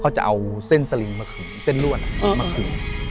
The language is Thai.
เขาจะเอาเส้นสลิงมาขึงเส้นลวดมาขึง